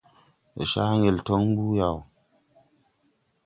Ndɔ caa ŋgel tɔŋ mbuh yaw ?